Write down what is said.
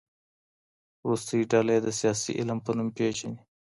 وروستۍ ډله يې د سياسي علم په نوم پېژني.